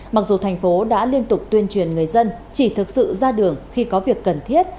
mặc dù thành phố đã liên tục tuyên truyền người dân chỉ thực sự ra đường khi có việc cần thiết